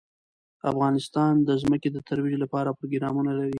افغانستان د ځمکه د ترویج لپاره پروګرامونه لري.